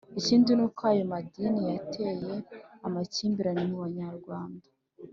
Ikindi n'uko ayo madini yateye amakimbirane mu Banyarwanda: